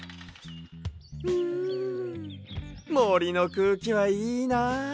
うんもりのくうきはいいな。